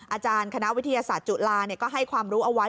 อาจารย์คณะวิทยาศาสตร์จุฬาก็ให้ความรู้เอาไว้